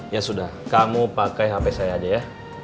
ya sudah kamu pakai hp saya aja ya